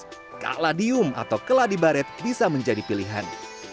karena daun yang eksotis caladium atau caladibaret bisa menjadi pilihan